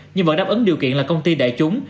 nhưng vẫn đáp ứng điều kiện là công ty đại chúng